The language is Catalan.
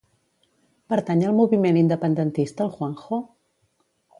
Pertany al moviment independentista el Juanjo?